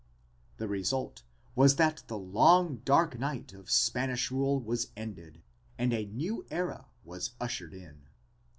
The result was that the long dark night of Spanish rule was ended and a new era was ushered in.